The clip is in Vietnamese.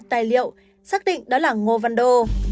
tài liệu xác định đó là ngô văn đô